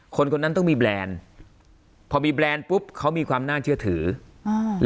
คนคนนั้นต้องมีแบรนด์พอมีแบรนด์ปุ๊บเขามีความน่าเชื่อถืออ่า